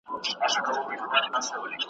چي قلم مي له لیکلو سره آشنا سوی دی .